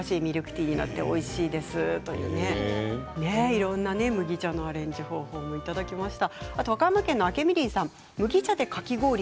いろんな麦茶のアレンジ方法もいただきました。